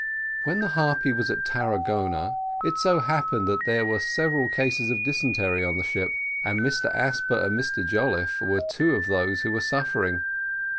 When the Harpy was off Tarragona, it so happened that there were several cases of dysentery in the ship, and Mr Asper and Mr Jolliffe were two of those who were suffering.